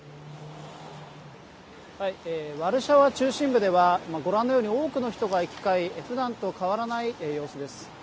ワルシャワ中心部ではご覧のように多くの人が行き交いふだんと変わらない様子です。